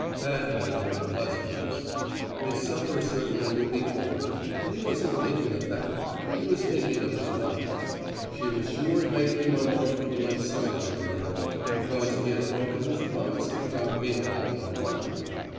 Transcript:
That meant unpleasantness. His supper certainly would be cold, but he wasn't thinking of that. He was thinking of his wife. She was sure to make him uncomfortable in some way or other, because he had broken his promise about being home on time.